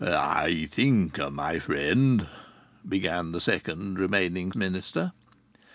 "I think, my friend " began the second remaining minister.